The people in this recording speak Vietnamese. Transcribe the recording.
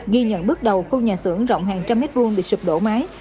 ghi nhận bước đầu khu nhà xưởng rộng hàng trăm mét vuông bị sụp đổ mái